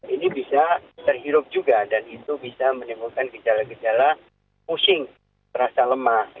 ini bisa terhirup juga dan itu bisa menimbulkan gejala gejala pusing terasa lemah